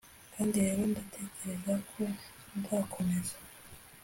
kandi rero ndatekereza ko nzakomeza